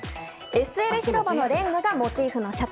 ＳＬ広場のレンガがモチーフのシャツ。